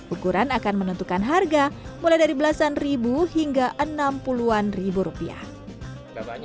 ukuran akan menentukan harga mulai dari belasan ribu hingga enam puluh an ribu rupiah